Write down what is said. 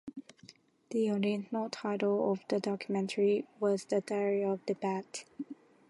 The original title of the documentary was "The Diary of the Butt".